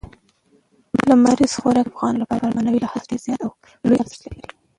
لمریز ځواک د افغانانو لپاره په معنوي لحاظ ډېر زیات او لوی ارزښت لري.